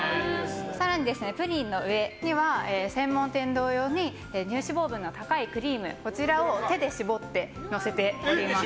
プリンの上には専門店同様に乳脂肪分の高いクリームを手で絞ってのせております。